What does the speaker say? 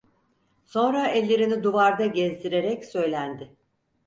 Sonra ellerini duvarda gezdirerek söylendi.